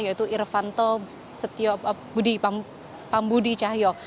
yaitu irvanto pambudi cahyo